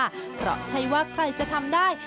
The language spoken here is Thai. ตอบใช้ว่าใครจะทำได้